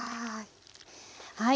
はい。